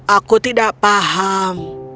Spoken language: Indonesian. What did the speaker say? aku tidak paham